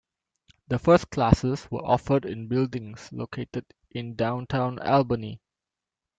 The first classes were offered in buildings located in downtown Albany.